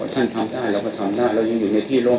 ทำได้เราก็ทำได้เรายังอยู่ในที่โลก